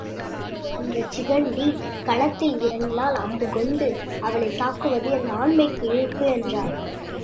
அந்தச் சிகண்டி களத்தில் இறங்கினால் அம்பு கொண்டு அவளைத்தாக்குவது என் ஆண்மைக்கு இழுக்கு என்றான்.